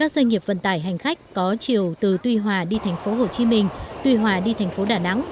doanh nghiệp vận tải hành khách có chiều từ tuy hòa đi thành phố hồ chí minh tuy hòa đi thành phố đà nẵng